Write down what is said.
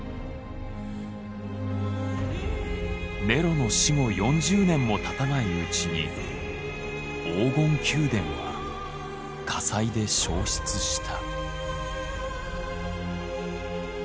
ネロの死後４０年もたたないうちに黄金宮殿は火災で焼失した。